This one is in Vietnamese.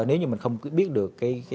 nếu như mình không biết được